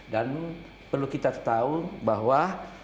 dan perlu kita tahu bahwa